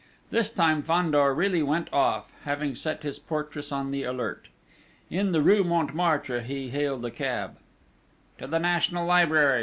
This time Fandor really went off, having set his portress on the alert. In the rue Montmartre he hailed a cab: "To the National Library!